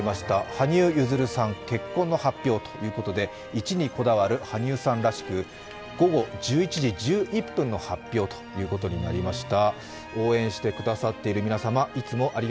羽生結弦さん、結婚の発表ということで、「１」にこだわる羽生さんらしく午後１１時１１分の発表ということになりました。